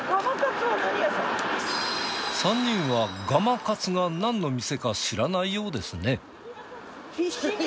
３人はがまかつが何の店か知らないようですね。